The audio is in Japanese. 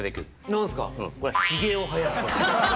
何すか？